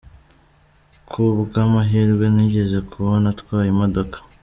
Ku bw’ amahirwe nigeze kubona atwaye imodoka….